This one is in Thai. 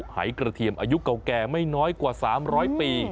หายกระเทียมอายุเก่าแก่ไม่น้อยกว่า๓๐๐ปี